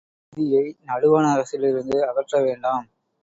இந்தியை நடுவணரசிலிருந்து அகற்ற வேண்டாம்.